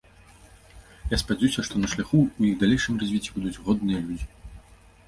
Я спадзяюся, што на шляху ў іх далейшым развіцці будуць годныя людзі.